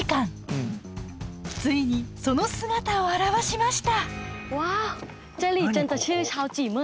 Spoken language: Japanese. ついにその姿を現しました。